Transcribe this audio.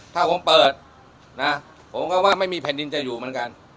ถ้าผมเปิดนะผมก็ว่าไม่มีแผ่นดินจะอยู่เหมือนกัน